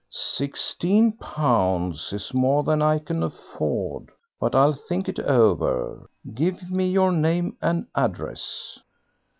"Sixteen pounds is more than I can afford, but I'll think it over. Give me your name and address."